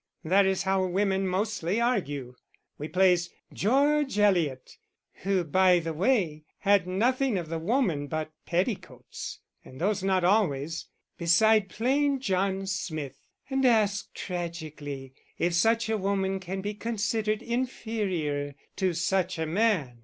That is how women mostly argue. We place George Eliot (who, by the way, had nothing of the woman but petticoats and those not always) beside plain John Smith, and ask tragically if such a woman can be considered inferior to such a man.